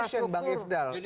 ini di solution bang ifdal